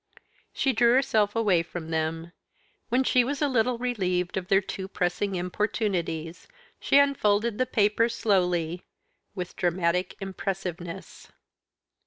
She drew herself away from them. When she was a little relieved of their too pressing importunities, she unfolded the paper slowly with dramatic impressiveness.